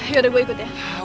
yaudah gue ikut ya